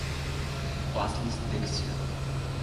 Class list দেখছিলাম।